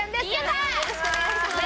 よろしくお願いします！